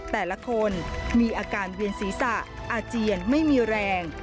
แต่ละคนมีอาการเวียนศีรษะอาเจียนไม่มีแรง